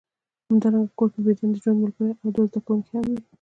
همدارنګه کور کې بې دندې ژوند ملګری او دوه زده کوونکي هم وي